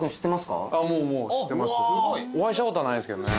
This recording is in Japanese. お会いしたことはないですけどね。